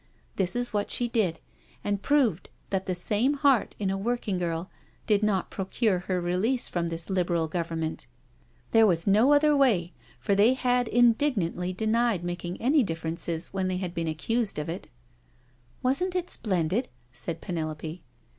This is what she did, and proved that the same heart in a workgirl did not procure her release from this Liberal Govern ment. There was no other way— for they had indig nantly denied making any differences when they had been accused of it.'^ " Wasn't it splendid," said Penelope.